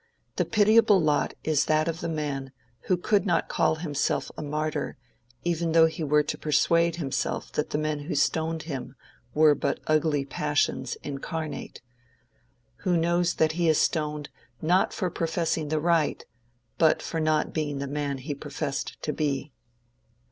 The pitiable lot is that of the man who could not call himself a martyr even though he were to persuade himself that the men who stoned him were but ugly passions incarnate—who knows that he is stoned, not for professing the Right, but for not being the man he professed to be.